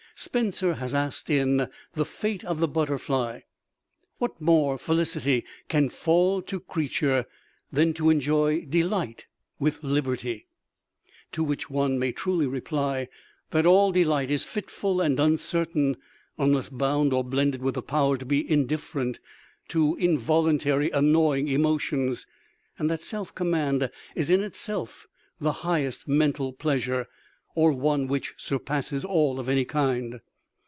Spenser has asked in "The Fate of the Butterfly": "What more felicity can fall to creature Than to enjoy delight with liberty?" To which one may truly reply that all delight is fitful and uncertain unless bound or blended with the power to be indifferent to involuntary annoying emotions, and that self command is in itself the highest mental pleasure, or one which surpasses all of any kind.